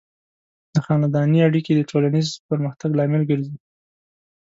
د خاندنۍ اړیکې د ټولنیز پرمختګ لامل کیږي.